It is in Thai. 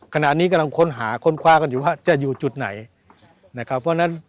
ขณะนี้กำลังค้นหาค้นคว้ากันอยู่ว่าจะอยู่จุดไหนนะครับเพราะฉะนั้น